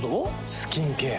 スキンケア。